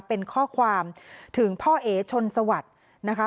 เป็นข้อความถึงพ่อเอ๋ชนสวัสดิ์นะคะ